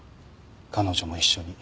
彼女も一緒に。